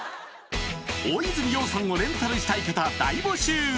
大泉洋さんをレンタルしたい方大募集